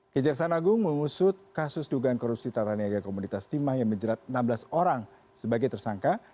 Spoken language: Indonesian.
kejaksaan agung memusut kasus dugaan korupsi taraniaga komoditas timah yang menjerat enam belas orang sebagai tersangka